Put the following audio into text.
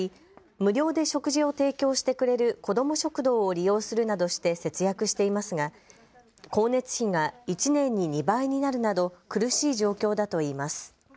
無料で食事を提供してくれる子ども食堂を利用するなどして節約していますが光熱費が１年に２倍になるなど苦しい状況だといいます。